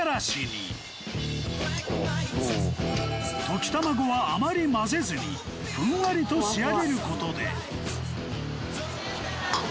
溶き卵はあまり混ぜずにふんわりと仕上げる事で